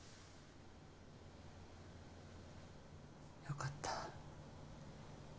良かった。